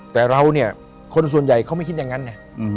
แต่เราเนี่ยคนส่วนใหญ่เขาไม่คิดอย่างนั้นไง